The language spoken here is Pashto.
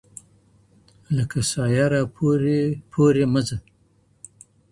لکه سايه راپورې ـ پورې مه ځه